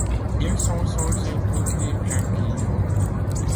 Ils sont censés pourrir tranquillement.